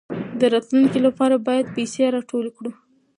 د راتلونکي لپاره باید پیسې ټولې کړو.